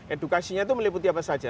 edukasinya itu meliputi apa saja